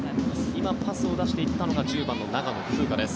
今パスを出していったのが１０番の長野風花です。